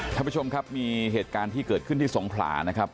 ท่านผู้ชมครับมีเหตุการณ์ที่เกิดขึ้นที่สงขลานะครับ